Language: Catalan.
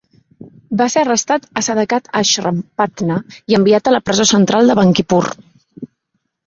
Va ser arrestat a Sadaqat Ashram, Patna i enviat a la presó central de Bankipur.